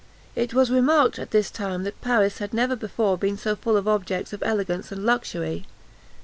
It was remarked at this time that Paris had never before been so full of objects of elegance and luxury.